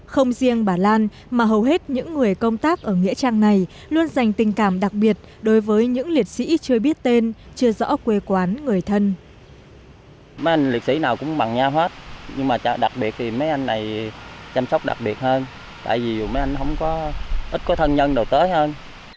không riêng bà lan mà hầu hết những người công tác ở nghĩa trang này luôn dành tình cảm đặc biệt đối với những liệt sĩ chưa biết tên chưa rõ quê quán người thân